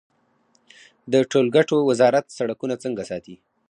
د ټولګټو وزارت سړکونه څنګه ساتي؟